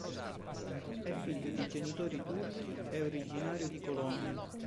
È figlio di genitori turchi e originario di Colonia.